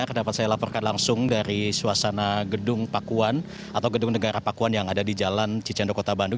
dapat saya laporkan langsung dari suasana gedung pakuan atau gedung negara pakuan yang ada di jalan cicendo kota bandung